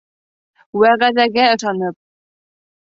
ВӘҒӘҘӘГӘ ЫШАНЫП